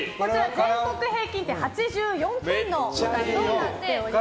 全国平均点８４点の歌となっております。